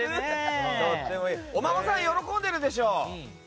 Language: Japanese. お孫さん、喜んでるでしょ。